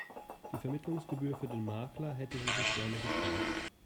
Die Vermittlungsgebühr für den Makler hätte sie sich gerne gespart.